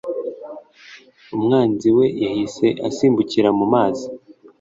umwanzi we yahise asimbukira mu mazi